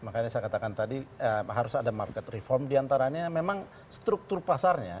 makanya saya katakan tadi harus ada market reform diantaranya memang struktur pasarnya